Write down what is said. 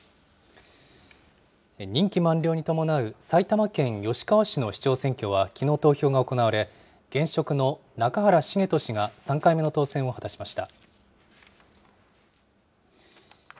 任期満了に伴う埼玉県吉川市の市長選挙はきのう投票が行われ、現職の中原恵人氏が、３回目の当選を果たしました。